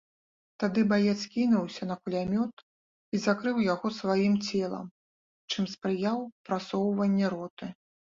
Тады баец кінуўся на кулямёт і закрыў яго сваім целам, чым спрыяў прасоўванні роты.